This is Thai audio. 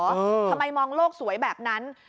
ทำไมมองโลกสวยแบบนั้น